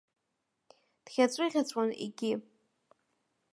Дӷьаҵәыӷьаҵәуан егьи.